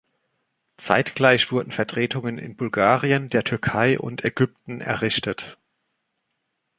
Zeitgleich wurden Vertretungen in Bulgarien, der Türkei und Ägypten errichtet.